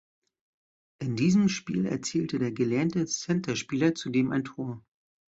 In diesem Spiel erzielte der gelernte Centerspieler zudem ein Tor.